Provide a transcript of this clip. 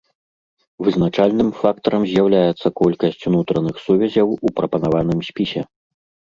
Вызначальным фактарам з'яўляецца колькасць унутраных сувязяў у прапанаваным спісе.